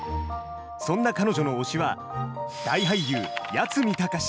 そんな彼女の推しは、大俳優、八海崇。